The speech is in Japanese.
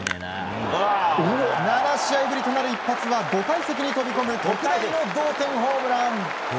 ７試合ぶりとなる一発は５階席に飛び込む特大の同点ホームラン！